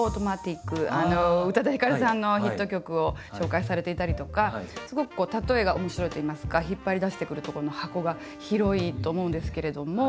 宇多田ヒカルさんのヒット曲を紹介されていたりとかすごくこう例えが面白いといいますか引っ張り出してくるところの箱が広いと思うんですけれども。